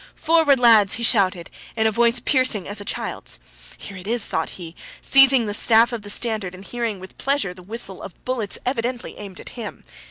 "Forward, lads!" he shouted in a voice piercing as a child's. "Here it is!" thought he, seizing the staff of the standard and hearing with pleasure the whistle of bullets evidently aimed at him.